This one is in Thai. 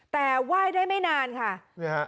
แต่ว่ายได้ไม่นานค่ะเนี่ยค่ะ